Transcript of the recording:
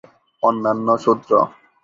অন্যান্য সূত্র